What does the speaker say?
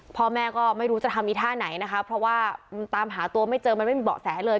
พ่อแม่ก็ไม่รู้จะทำอีกท่าไหนนะคะเพราะว่าตามหาตัวไม่เจอมันไม่มีเบาะแสเลย